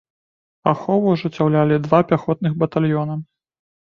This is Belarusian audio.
Ахову ажыццяўлялі два пяхотных батальёна.